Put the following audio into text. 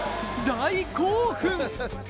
大興奮！